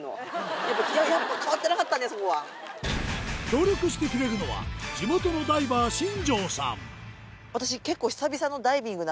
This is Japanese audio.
協力してくれるのは地元のダイバーヒィ！